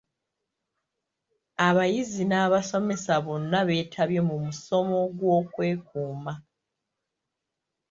Abayizi n'abasomesa bonna betabye mu musomo gw'okwekuuma.